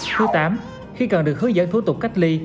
số tám khi cần được hướng dẫn thủ tục cách ly